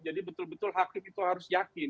jadi betul betul hakim itu harus yakin